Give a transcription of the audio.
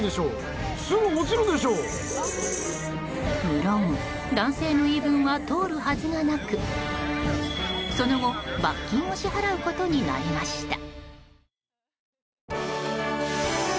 無論、男性の言い分は通るはずがなくその後、罰金を支払うことになりました。